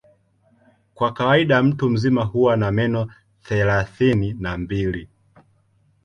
Kwa kawaida mtu mzima huwa na meno thelathini na mbili.